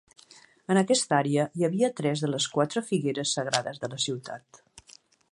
En aquesta àrea hi havia tres de les quatre figueres sagrades de la ciutat.